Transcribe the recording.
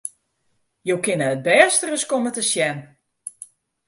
Jo kinne it bêste ris komme te sjen!